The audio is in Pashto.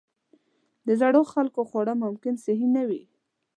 د زړو خلکو خواړه ممکن صحي نه وي.